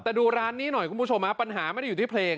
แต่ดูร้านนี้หน่อยคุณผู้ชมฮะปัญหาไม่ได้อยู่ที่เพลง